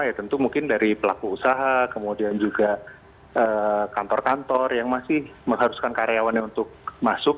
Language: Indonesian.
ya tentu mungkin dari pelaku usaha kemudian juga kantor kantor yang masih mengharuskan karyawannya untuk masuk